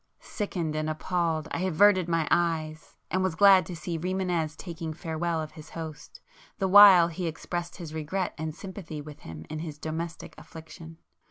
Sickened and appalled I averted my eyes, and was glad to see Rimânez taking farewell of his host, the while he expressed his regret and sympathy with him in his domestic affliction.